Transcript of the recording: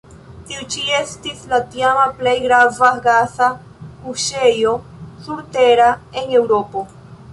Tiu ĉi estis la tiama plej grava gasa kuŝejo surtera en Eŭropo.